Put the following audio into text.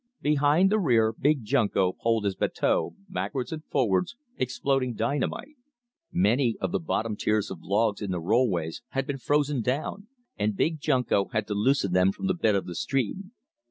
Behind the rear Big Junko poled his bateau backwards and forwards exploding dynamite. Many of the bottom tiers of logs in the rollways had been frozen down, and Big Junko had to loosen them from the bed of the stream.